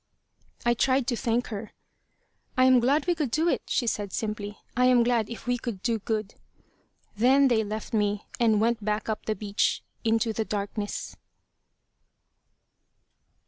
I tried to thank her. "I am glad we could do it," she said, simply. "I am glad if we could do good." Then they left me; and went back up the beach into the darkness.